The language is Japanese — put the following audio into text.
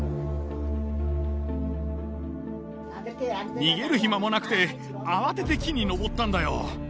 逃げる暇もなくて慌てて木に登ったんだよ。